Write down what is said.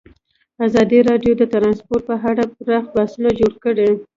ازادي راډیو د ترانسپورټ په اړه پراخ بحثونه جوړ کړي.